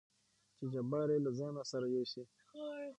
چې جبار يې له ځانه سره يوسي.